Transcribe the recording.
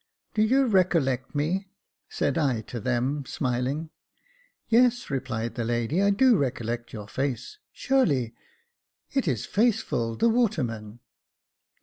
" Do you recollect me ?" said I to them, smiling. " Yes," replied the lady, I do recollect your face — surely — it is Faithful, the waterman